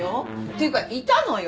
ていうかいたのよ。